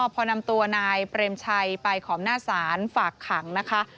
พอนำตัวนายเปรมชัยไปขอบหน้าศาลฝากขังนะคะ